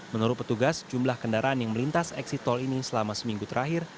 menurut petugas jumlah kendaraan yang melintas eksit tol ini selama seminggu terakhir